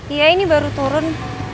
iya ini baru turun